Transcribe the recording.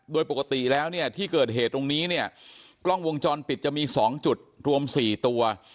โดยปกติแล้วเนี่ยที่เกิดเหตุตรงนี้เนี่ยกล้องวงจรปิดจะมี๒จุดรวม๔ตัว